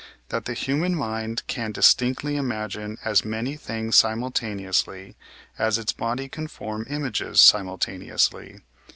that the human mind can distinctly imagine as many things simultaneously, as its body can form images simultaneously.